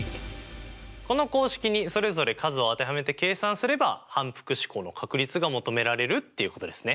この公式にそれぞれ数を当てはめて計算すれば反復試行の確率が求められるっていうことですね。